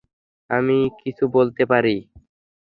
আমি কিছু বলতে পারি?